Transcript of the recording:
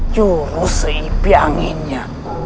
juru seipi anginnya